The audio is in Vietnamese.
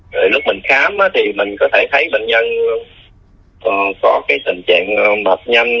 rồi lúc mình khám thì mình có thể thấy bệnh nhân có cái tình trạng mập nhanh